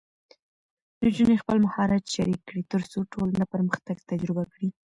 نجونې خپل مهارت شریک کړي، ترڅو ټولنه پرمختګ تجربه کړي.